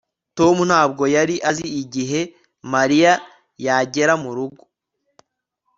tom ntabwo yari azi igihe mariya yagera murugo